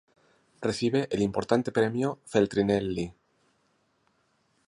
Recibe el importante premio Feltrinelli.